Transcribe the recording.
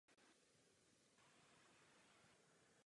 Studoval práva v Bologni a stal se úspěšným právníkem.